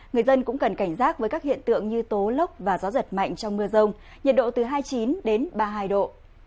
người dân cũng cần cảnh giác với các hiện tượng như tố lốc và gió giật mạnh trong mưa rông nhiệt độ từ hai mươi chín đến ba mươi hai độ